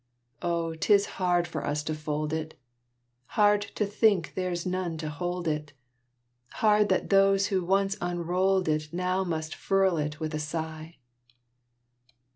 Oh, 'tis hard for us to fold it, Hard to think there's none to hold it, Hard that those who once unrolled it Now must furl it with a sigh!